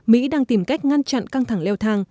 mỹ đang tìm cách ngăn chặn căng thẳng leo thang